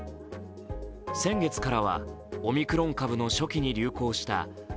先月からはオミクロン株の初期に流行したＢＡ．